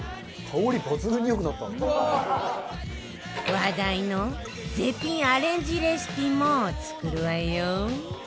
話題の絶品アレンジレシピも作るわよ